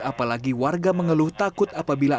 apalagi warga mengeluh takut apabila